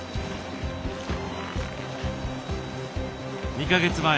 ２か月前